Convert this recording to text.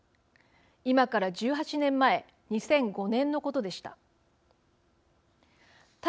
今から１８年前２００５年のことでした。